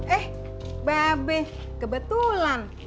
eh bebe kebetulan